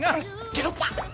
ゲロッパ！